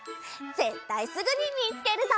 ぜったいすぐにみつけるぞ！